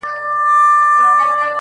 او يوازي ټوکي پرې کوي،